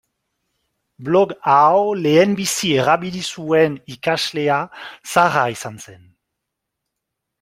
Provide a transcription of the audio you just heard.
Blog hau lehenbizi erabili zuen ikaslea Sara izan zen.